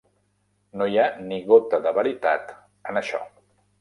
No hi ha ni gota de veritat en això.